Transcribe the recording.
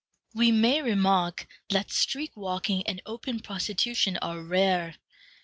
We may remark that street walking and open prostitution are rare.